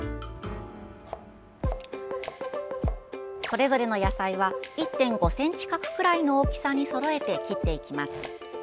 それぞれの野菜は１．５ｃｍ角くらいの大きさにそろえて切っていきます。